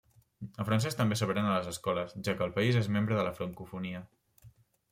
El francès també s'aprèn a les escoles, ja que el país és membre de Francofonia.